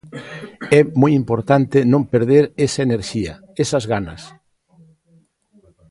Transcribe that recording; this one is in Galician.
É moi importante non perder esa enerxía, esas ganas.